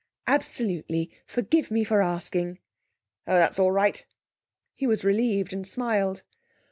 'Absolutely. Forgive me for asking.' 'Oh, that's all right.' He was relieved, and smiled.